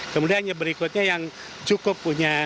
kemudian yang berikutnya yang cukup punya